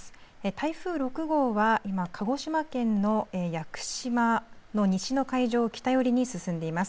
台風６号は今鹿児島県の屋久島の西の海上を北寄りに進んでいます。